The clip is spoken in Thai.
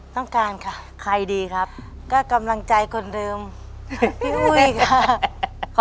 ต้องการค่ะใครดีครับก็กำลังใจคนเดิมพี่อุ้ยค่ะ